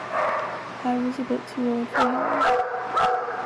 I was a bit too old for Harry.